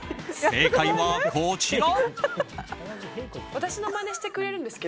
正解はこちら。